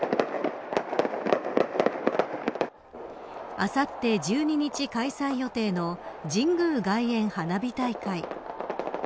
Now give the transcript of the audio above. あさって１２日開催予定の神宮外苑花火大会。